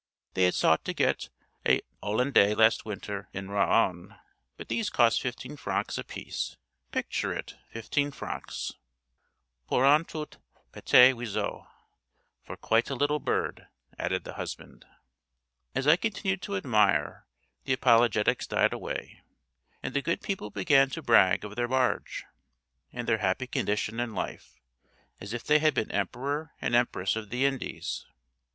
—they had sought to get a Hollandais last winter in Rouen; but these cost fifteen francs apiece—picture it—fifteen francs! 'Pour un tout petit oiseau—For quite a little bird,' added the husband. As I continued to admire, the apologetics died away, and the good people began to brag of their barge, and their happy condition in life, as if they had been Emperor and Empress of the Indies.